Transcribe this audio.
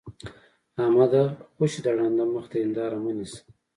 احمده! خوشې د ړانده مخ ته هېنداره مه نيسه.